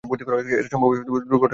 এটা সম্ভাব্য দুর্ঘটনার পূর্বাভাস দেবে।